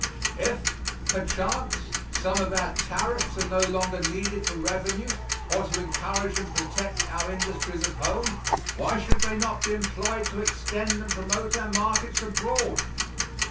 If, perchance, some of our tariffs are no longer needed for revenue or to encourage and protect our industries at home, why should they not be employed to extend and promote our markets abroad?